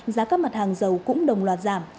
giá các mặt hàng dầu cũng đồng loại giảm